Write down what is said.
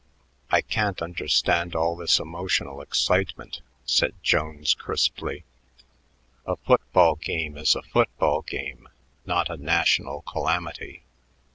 "I can't understand all this emotional excitement," said Jones crisply. "A football game is a football game, not a national calamity.